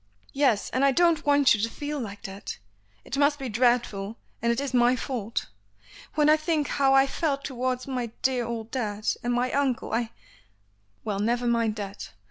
"Yes; and I don't want you to feel like that. It must be dreadful, and it is my fault. When I think how I felt towards my dear old dad, and my uncle I " "Well, never mind that.